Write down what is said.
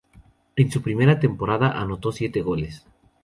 En su primera temporada anotó siete goles.